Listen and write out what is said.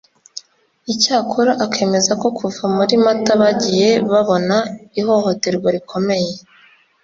Icyakora akemeza ko kuva muri Mata bagiye babona ihohoterwa rikomeye